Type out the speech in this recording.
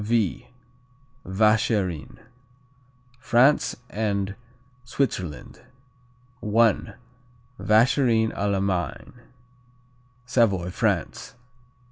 V Vacherin France and Switzerland I. Vacherin à la Main. Savoy, France.